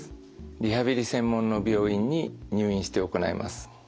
リハビリ専門の病院に入院して行います。